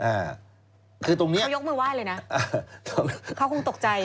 เขายกมือไหว้เลยนะเขาคงตกใจ